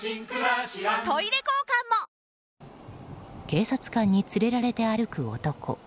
警察官に連れられて歩く男。